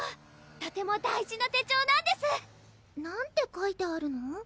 とても大事な手帳なんです何て書いてあるの？